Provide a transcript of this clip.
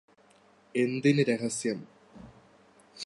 എന്തിന് രഹസ്യം